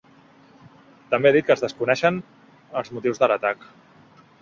També ha dit que es desconeixen els motius de l’atac.